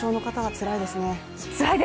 つらいです！